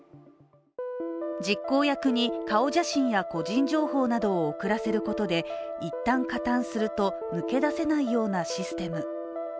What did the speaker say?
実行役に顔写真や個人情報などを送らせることでいったん加担すると抜け出せないようなシステム。